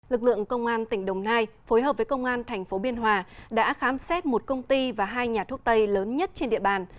lực lượng công an tỉnh đồng nai phối hợp với công an thành phố biên hòa đã khám xét một công ty và hai nhà thuốc tây lớn nhất trên địa bàn